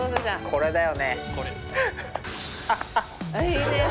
これだよ！